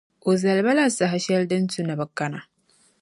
O zali ba la saha shεli din tu ni bɛ kana.